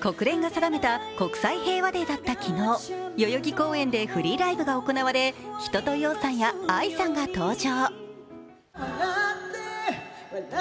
国連が定めた国際平和デーだった昨日、代々木公園でフリーライブが行われ、一青窈さんやＡＩさんが登場。